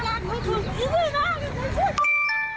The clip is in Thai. รักษณะของใครโอ้ยตายแล้ว